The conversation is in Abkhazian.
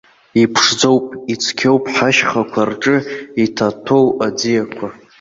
Иԥшӡоуп, ицқьоуп ҳашьхақәа рҿы иҭатәоу аӡиақәа.